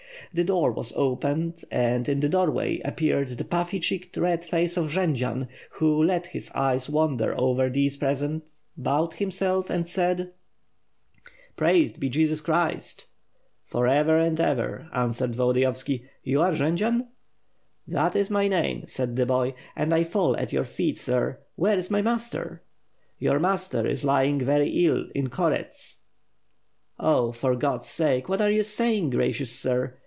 The door was opened and, in the doorway appeared the pufiEy cheeked red face of Jendzian, who let his eyes wander over those present, bowed himself and said: "Praised be Jesus Christ!" "For ever and ever," answered Volodiyovski. "You are Jendzian?" "That is my name," said the boy, "and I fall at your feet, sir. Where is my master?" "Your master is lying very ill in Korets." "Oh, for God's sake, what are you saying, gracious sir!